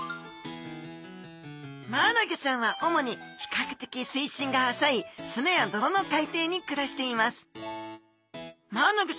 マアナゴちゃんは主にひかくてき水深が浅い砂や泥の海底に暮らしています